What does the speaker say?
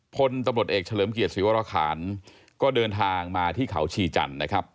พลตำรวจเอกเฉลิมเกียรติศิวรคารก็เดินทางมาที่เขาชีจันทร์นะครับ